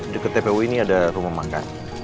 dekat tpu ini ada rumah manggas